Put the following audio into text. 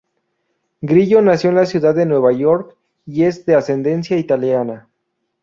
Grillo nació en la ciudad de Nueva York y es de ascendencia italiana.